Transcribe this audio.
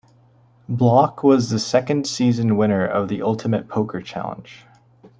Bloch was the second season winner of the Ultimate Poker Challenge.